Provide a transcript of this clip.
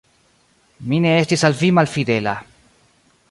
Mi ne estis al vi malfidela.